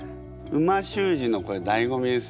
美味しゅう字のこれだいご味です